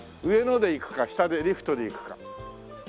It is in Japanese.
上ので行くか下でリフトで行くか。